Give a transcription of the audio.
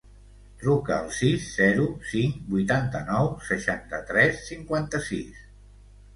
Truca al sis, zero, cinc, vuitanta-nou, seixanta-tres, cinquanta-sis.